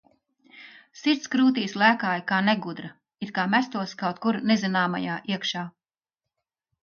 Sirds krūtīs lēkāja kā negudra, it kā mestos kaut kur nezināmajā iekšā.